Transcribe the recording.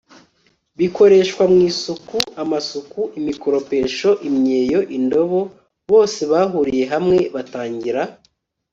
bikoreshwa mu isuku amasuka, imikoropesho, imyeyo, indobo. bose bahuriye hamwe batangira